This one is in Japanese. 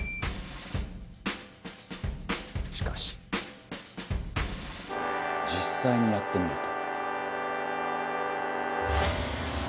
しかし実際にやってみると。